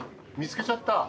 見つけちゃった。